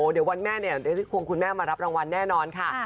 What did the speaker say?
เดี๋ยววันนี้ควรมารับรางวัลแน่นอนค่ะ